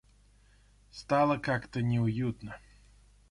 Стало как-то неуютно.